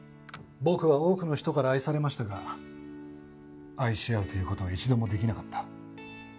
僕は多くの人から愛されましたが愛し合うという事は一度もできなかった。